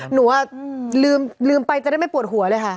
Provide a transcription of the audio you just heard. หนูลืมไปจะได้ไม่ปวดหัวเลยค่ะ